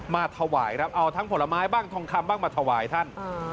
มาถวายครับเอาทั้งผลไม้บ้างทองคำบ้างมาถวายท่าน